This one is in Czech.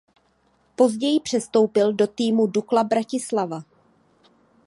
Později přestoupil do týmu Dukla Bratislava.